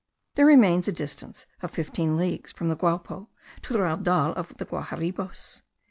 There remains a distance of fifteen leagues from the Guapo to the Raudal of the Guaharibos.